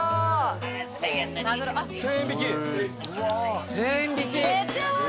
１，０００円引き。